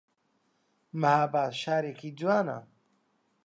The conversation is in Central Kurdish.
مەهاباد شارێکی جوانە